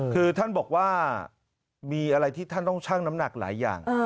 คือท่านบอกว่ามีอะไรที่ท่านต้องชั่งน้ำหนักหลายอย่าง